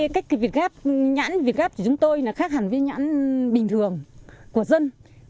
cách việc gắp nhãn của chúng tôi khác hẳn với nhãn bình thường của dân